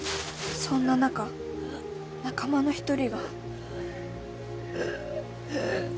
そんな中仲間の一人がうぅ。